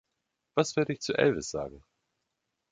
Was werde ich zu Elvis sagen?